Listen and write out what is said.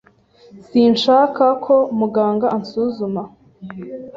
Sinshaka ko muganga ansuzuma.